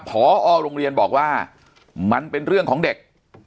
พอโรงเรียนบอกว่ามันเป็นเรื่องของเด็ก